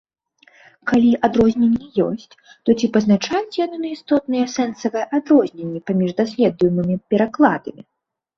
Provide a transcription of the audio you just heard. Калі адрозненні ёсць, то ці пазначаюць яны на істотныя сэнсавыя адрозненні паміж даследуемымі перакладамі?